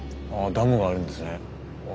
ダムがあるんです。